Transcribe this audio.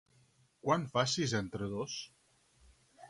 Quant fa sis entre dos?